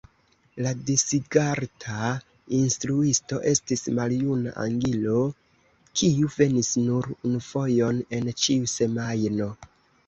La Disigarta instruisto estis maljuna angilo kiu venis nur unufojon en ĉiu semajno.